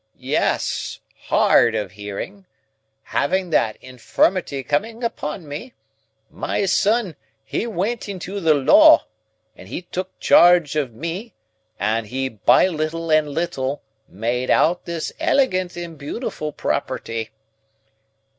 "—Yes, hard of hearing; having that infirmity coming upon me, my son he went into the Law, and he took charge of me, and he by little and little made out this elegant and beautiful property.